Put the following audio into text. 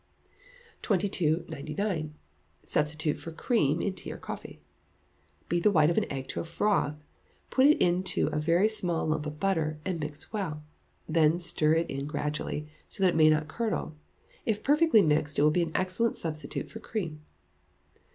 2299. Substitute for Cream in Tea or Coffee. Beat the white of an egg to a froth, put to it a very small lump of butter, and mix well. Then stir it in gradually, so that it may not curdle. If perfectly mixed, it will be an excellent substitute for cream.